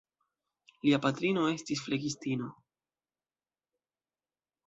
Lia patrino estis flegistino.